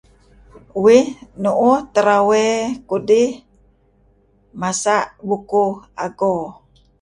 Uih nu'uh terawey kudih masa' bukuh ago.